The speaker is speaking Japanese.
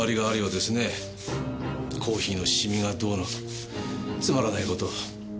コーヒーのシミがどうのとつまらない事を。